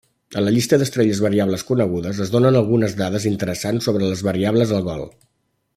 A la llista d'estrelles variables conegudes es donen algunes dades interessants sobre les variables Algol.